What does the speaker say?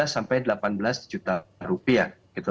lima belas sampai delapan belas juta rupiah gitu